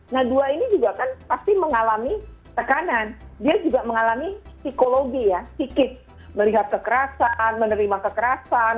nah dua ini juga kan pasti mengalami tekanan dia juga mengalami psikologi ya psikis melihat kekerasan menerima kekerasan